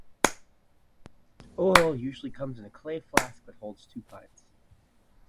Oil usually comes in a clay flask that holds two pints.